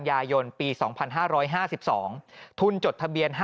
ปี๖๕วันเกิดปี๖๔ไปร่วมงานเช่นเดียวกัน